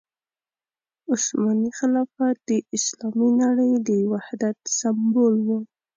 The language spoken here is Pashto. عثماني خلافت د اسلامي نړۍ د وحدت سمبول وو.